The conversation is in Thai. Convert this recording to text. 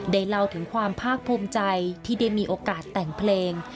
เล่าถึงความภาคภูมิใจที่ได้มีโอกาสแต่งเพลง